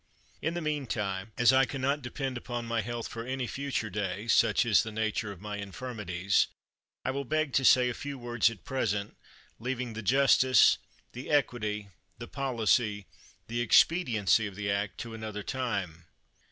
In the meantime, as I can not depend upon my health for any future day (such is the nature of my infirmities), I will beg to say a few words at present, leaving the justice, the equity, the policy, the expediency of the act to another time.